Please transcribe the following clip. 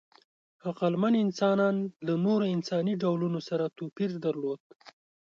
عقلمن انسانان له نورو انساني ډولونو سره توپیر درلود.